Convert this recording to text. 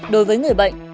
đối với người bệnh